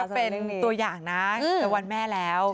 เป็นตัวอย่างนะในวันแม่แล้ว